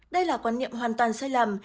đây là quan niệm hoàn toàn sai lầm